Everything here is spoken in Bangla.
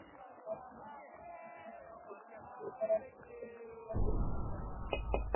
কাশ্মীরি হিন্দু দের মধ্যে শিব এবং সরস্বতী পূজা ছাড়াও সূর্য পূজার প্রচলন রয়েছে।